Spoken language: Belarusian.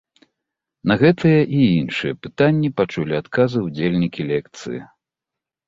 На гэтыя і іншыя пытанні пачулі адказы удзельнікі лекцыі.